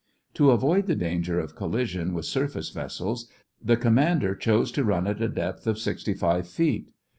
To avoid the danger of collision with surface vessels, the commander chose to run at a depth of sixty five feet.